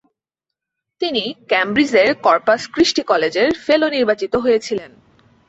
তিনি কেম্ব্রিজের Corpus Christi কলেজের ফেলো নির্বাচিত হয়েছিলেন।